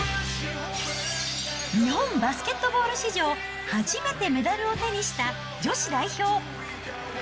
日本バスケットボール史上初めてメダルを手にした女子代表。